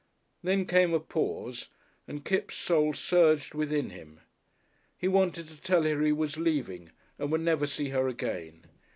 Then came a pause and Kipps' soul surged within him. He wanted to tell her he was leaving and would never see her again.